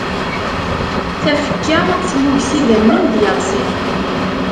Tafekka tmmug s idamen d yeɣsan.